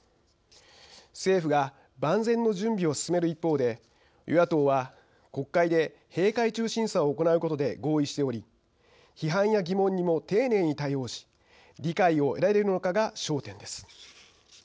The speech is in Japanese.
政府が万全の準備を進める一方で与野党は国会で閉会中審査を行うことで合意しており批判や疑問にも丁寧に対応し理解を得られるのかが焦点です。